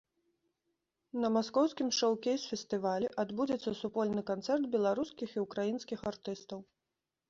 На маскоўскім шоукейс-фестывалі адбудзецца супольны канцэрт беларускіх і ўкраінскіх артыстаў.